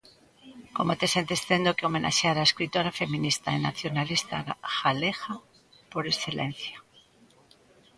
Como te sentes tendo que homenaxear á escritora feminista e nacionalista galega por excelencia?